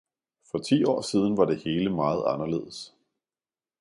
For ti år siden var det hele meget anderledes.